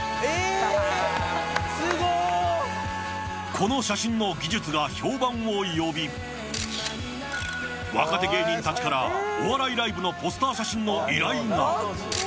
この写真の技術が評判を呼び若手芸人たちからお笑いライブのポスター写真の依頼が。